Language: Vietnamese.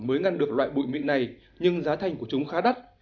mới ngăn được loại bụi mịn này nhưng giá thành của chúng khá đắt